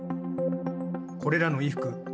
これらの衣服